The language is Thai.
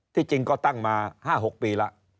ที่จริงก็ตั้งมา๕๖ปีแล้ว